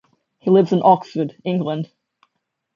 He lives in Oxford, England.